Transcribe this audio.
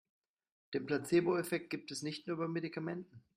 Den Placeboeffekt gibt es nicht nur bei Medikamenten.